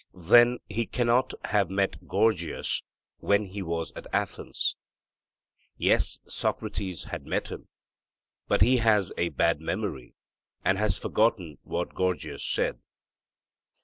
'Then he cannot have met Gorgias when he was at Athens.' Yes, Socrates had met him, but he has a bad memory, and has forgotten what Gorgias said.